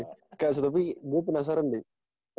oke oke kak soto tapi gue penasaran deh